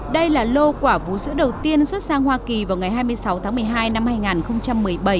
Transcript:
đây là lô quả vũ sữa đầu tiên xuất sang hoa kỳ vào ngày hai mươi sáu tháng một mươi hai năm hai nghìn một mươi bảy